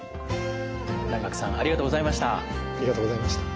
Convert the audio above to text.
南學さんありがとうございました。